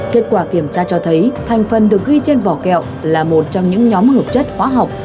kết quả kiểm tra cho thấy thành phần được ghi trên vỏ kẹo là một trong những nhóm hợp chất hóa học